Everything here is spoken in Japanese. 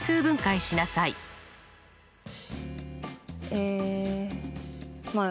えまあ